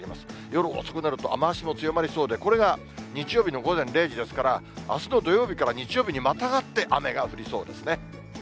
夜遅くなると、雨足も強まりそうで、これが日曜日の午前０時ですから、あすの土曜日から日曜日にまたがって雨が降りそうですね。